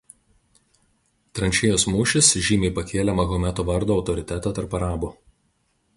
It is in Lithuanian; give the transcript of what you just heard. Tranšėjos mūšis žymiai pakėlė Mahometo vardo autoritetą tarp arabų.